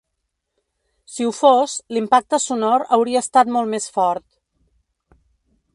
Si ho fos, l’impacte sonor hauria estat molt més fort.